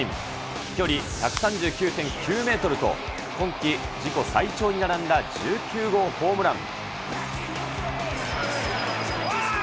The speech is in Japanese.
飛距離１３９．９メートルと、今季自己最長に並んだ１９号ホームラン。